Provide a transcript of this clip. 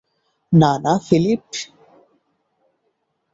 না, না, ফিলিপ।